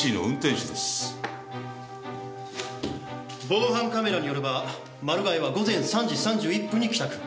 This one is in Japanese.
防犯カメラによればマルガイは午前３時３１分に帰宅。